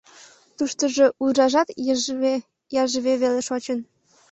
— Туштыжо уржажат йыжве-яжве веле шочын.